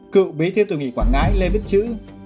cựu bí thư tùy nghị quảng ngãi lê viết chữ